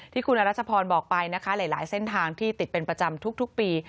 ที่คุณรัชพรบอกไปนะคะหลายเส้นทางที่ติดเป็นประจำทุกปี